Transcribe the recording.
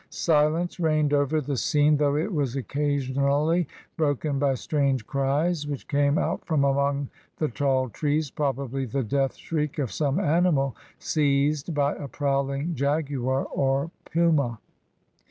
Silence reigned over the scene, though it was occasionally broken by strange cries which came out from among the tall trees, probably the death shriek of some animal, seized by a prowling jaguar or puma.